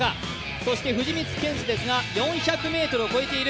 そして藤光謙司ですが４００ｍを超えている。